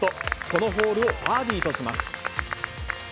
このホールをバーディーとします。